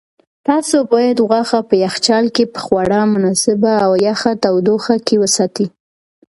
تاسو باید غوښه په یخچال کې په خورا مناسبه او یخه تودوخه کې وساتئ.